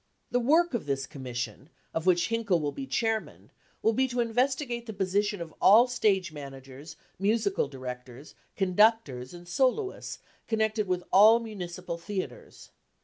The work of this Commission, of which Hinkel will be chairman, will be to investigate the position of all stage managers, musical directors, conductors and soloists connected with all municipal theatres.